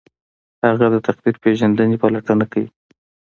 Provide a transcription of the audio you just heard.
هغه د تقدیر پیژندنې پلټنه کوي.